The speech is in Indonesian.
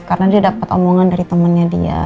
karena dia dapet omongan dari temennya dia